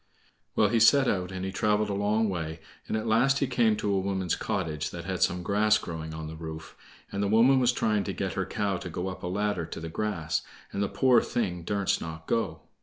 Well, he set out, and he traveled a long way, and at last he came to a woman's cottage that had some grass growing on the roof. And the woman was trying to get her cow to go up a ladder to the grass, and the poor thing durst not go.